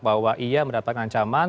bahwa ia mendapatkan ancaman